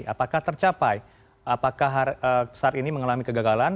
apakah tercapai apakah saat ini mengalami kegagalan